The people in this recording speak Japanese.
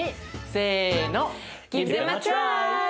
せの。